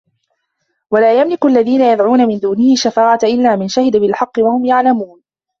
وَلا يَملِكُ الَّذينَ يَدعونَ مِن دونِهِ الشَّفاعَةَ إِلّا مَن شَهِدَ بِالحَقِّ وَهُم يَعلَمونَ